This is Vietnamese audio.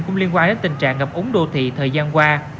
cũng liên quan đến tình trạng ngập úng đô thị thời gian qua